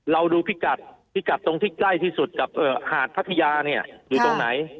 เราดูพิกัดพิกัดตรงที่ใกล้ที่สุดกับหาดพัทยาเนี่ยอยู่ตรงไหน